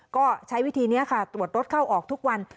ก็ใช้วิธีนี้ค่ะตรวจรถเข้าออกทุกวัน